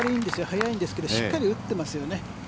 速いんですけどしっかり打っていますよね。